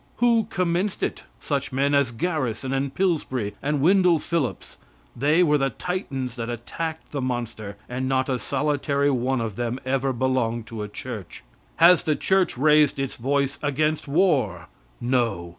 Who commenced it? Such men as Garrison and Pillsbury and Wendel Phillips. They were the titans that attacked the monster, and not a solitary one of them ever belonged to a church. Has the Church raised its voice against war? No.